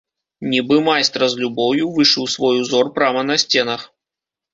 Нібы майстра з любоўю вышыў свой узор прама па сценах.